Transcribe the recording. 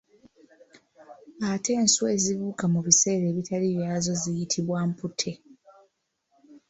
Ate enswa ezibuuka mu biseera ebitali byazo ziyitibwa mputte.